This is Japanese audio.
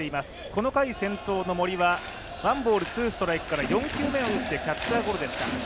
この回先頭の森はワンボールツーストライクから４球目を打ってキャッチャーゴロでした。